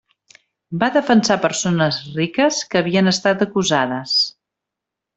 Va defensar a persones riques que havien estat acusades.